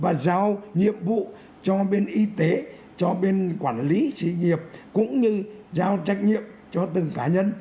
và giao nhiệm vụ cho bên y tế cho bên quản lý sự nghiệp cũng như giao trách nhiệm cho từng cá nhân